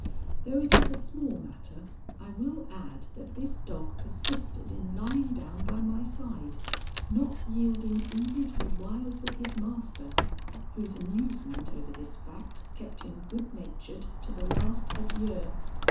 Though it is a small matter, I will add that this dog persisted in lying down by my side, not yielding even to the wiles of his master, whose amusement over this fact kept him good natured to the last adieu.